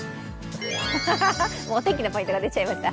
お天気のポイントが出ちゃいました。